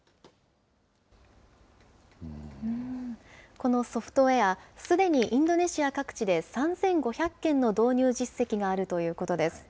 このソフトウエア、すでにインドネシア各地で３５００件の導入実績があるということです。